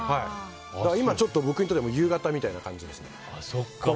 今、ちょっと僕にとっては夕方みたいな感じですね